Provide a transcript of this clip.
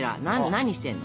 何してんの？